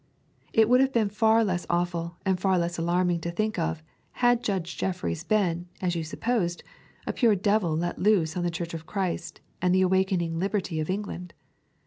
It would have been far less awful and far less alarming to think of, had Judge Jeffreys been, as you supposed, a pure devil let loose on the Church of Christ and the awakening liberty of England.